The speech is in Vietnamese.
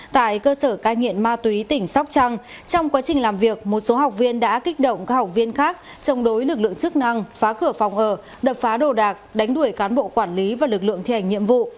tại cơ sở cai nghiện ma túy tỉnh sóc trăng trong quá trình làm việc một số học viên đã kích động các học viên khác chống đối lực lượng chức năng phá cửa phòng ở đập phá đồ đạc đánh đuổi cán bộ quản lý và lực lượng thi hành nhiệm vụ